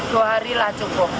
dua harilah cukup